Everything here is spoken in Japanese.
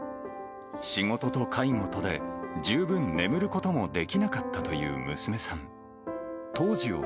仕事と介護とで、十分眠ることもできなかったという娘さん。